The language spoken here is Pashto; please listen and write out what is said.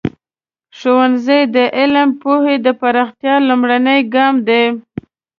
ښوونځی د علمي پوهې د پراختیا لومړنی ګام دی.